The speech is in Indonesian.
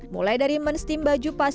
mulai dari menstikamkan baju hingga packing